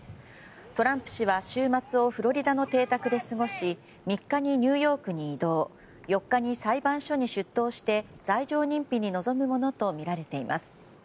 トランプ氏は週末をフロリダの邸宅で過ごし３日にニューヨークに移動４日に裁判所に出頭して罪状認否に臨むものとみられています。